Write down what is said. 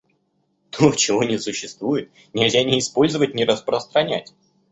То, чего не существует, нельзя ни использовать, ни распространять.